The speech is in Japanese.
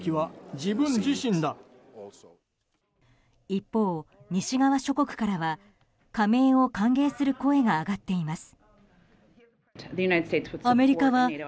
一方、西側諸国からは加盟を歓迎する声が上がっています。